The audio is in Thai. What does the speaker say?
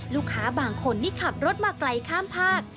ลูกค้าบางคนที่ขับรถมาไกลข้ามภาค